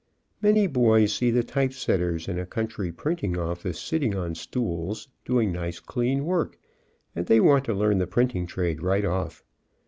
Many boys see the typesetters in a country printing office sitting on stools, doing nice, clean work, and they want to learn the printing trade right off.